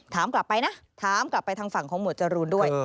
ถามกลับไปนะถามกลับไปทางฝั่งของหมวดจรูนด้วย